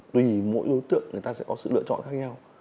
tùy mỗi đối tượng người ta sẽ có sự lựa chọn khác nhau